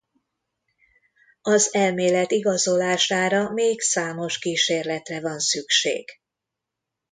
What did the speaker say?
Az elmélet igazolására még számos kísérletre van szükség.